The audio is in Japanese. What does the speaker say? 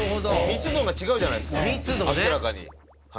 密度が違うじゃないですか明らかに。